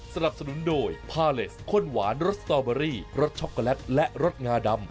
สนับสนุนโดยพาเลสข้นหวานรสสตอเบอรี่รสช็อกโกแลตและรสงาดำ